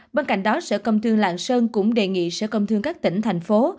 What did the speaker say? bên cạnh đó sở công thương lạng sơn cũng đề nghị sở công thương các tỉnh thành phố